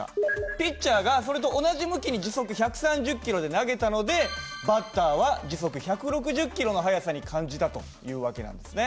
ピッチャーがそれと同じ向きに時速１３０キロで投げたのでバッターは時速１６０キロの速さに感じたという訳なんですね。